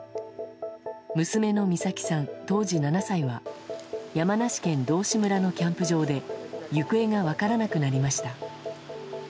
娘の美咲さん、当時７歳は山梨県道志村のキャンプ場で行方が分からなくなりました。